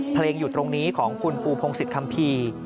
อยู่ตรงนี้ของคุณปูพงศิษยคัมภีร์